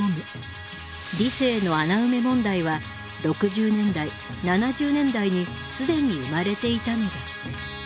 「理性の穴埋め問題」は６０年代７０年代にすでに生まれていたのだ。